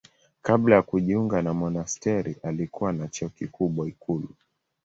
Kabla ya kujiunga na monasteri alikuwa na cheo kikubwa ikulu.